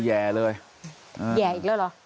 แยะอีกแล้วเหรอ